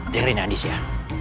dengarin andes ya